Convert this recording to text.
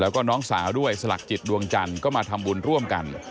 แล้วก็น้องสาวด้วยสลักจิตดวงจันทร์ก็มาทำบุญร่วมกัน